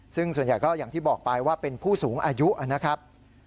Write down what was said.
ซึ่งส่วนใหญ่ก็อย่างที่บอกไปว่าเป็นผู้สูงอายุนะครับ